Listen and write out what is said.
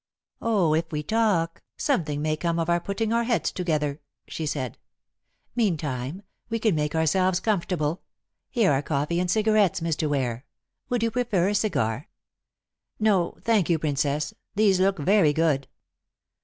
"Oh, if we talk, something may come of our putting our heads together," she said. "Meantime we can make ourselves comfortable. Here are coffee and cigarettes, Mr. Ware. Would you prefer a cigar?" "No, thank you, Princess. These look very good."